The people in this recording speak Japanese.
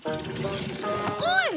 おい！